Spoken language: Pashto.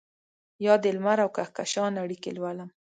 بیا دلمر اوکهکشان اړیکې لولم